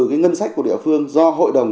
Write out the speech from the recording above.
cái ngân sách của địa phương do hội đồng